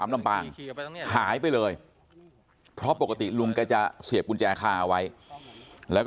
ลำปางหายไปเลยเพราะปกติลุงแกจะเสียบกุญแจคาเอาไว้แล้วก็